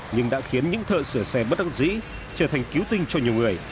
nhưng đã khiến những thợ sửa xe bất đắc dĩ trở thành cứu tinh cho nhiều người